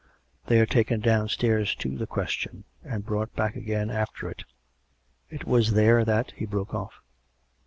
They are taken downstairs to the Question, and brought back again after it. It was there that " He broke off.